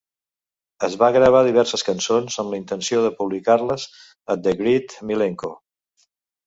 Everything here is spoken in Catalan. Es van gravar diverses cançons amb la intenció de publicar-les a "The Great Milenko".